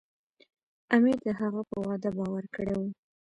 امیر د هغه په وعده باور کړی و.